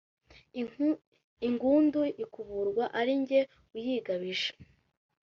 Ingundu ikuburwa ari jye uyigabije.